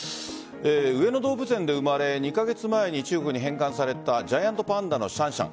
上野動物園で生まれ２カ月前に中国に返還されたジャイアントパンダのシャンシャン。